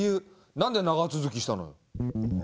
何で長続きしたのよ？